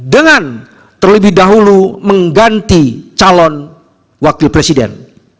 dengan terlebih dahulu mengganti calon wakil presiden